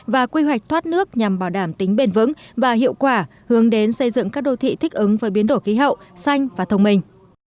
và quy hoạch thoát nước nhằm bảo đảm tính bền vững và hiệu quả hướng đến xây dựng các đô thị thích ứng với biến đổi khí hậu xanh và thông minh